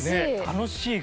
楽しい！